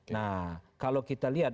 nah kalau kita lihat